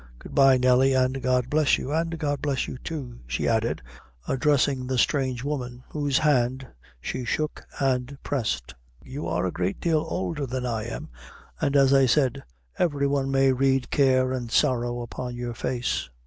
Good bye, Nelly, an' God bless you; an' God bless you too," she added, addressing the strange woman, whose hand she shook and pressed. "You are a great deal oulder than I am, an' as I said, every one may read care an' sorrow upon your face.